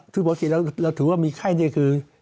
คือปกติเราถือว่ามีไข้นี่คือ